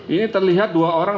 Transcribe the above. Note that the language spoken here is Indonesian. ini terlihat dua orang